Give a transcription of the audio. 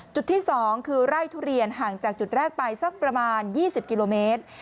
จุดที่๒คือไร่ทุเรียนห่างจากจุดแรกไปสักประมาณ๒๐กิโลเมตร